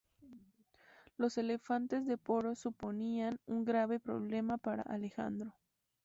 Los elefantes de Poros suponían un grave problema para Alejandro.